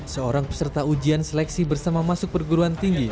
seorang peserta ujian seleksi bersama masuk perguruan tinggi